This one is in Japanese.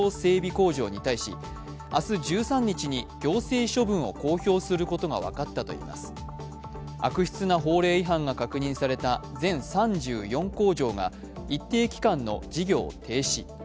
工場に対し明日１３日に行政処分を公表することが分かったといいます悪質な法令違反が確認された全３４工場が一定期間の事業停止。